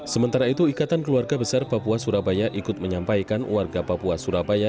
sementara itu ikatan keluarga besar papua surabaya ikut menyampaikan warga papua surabaya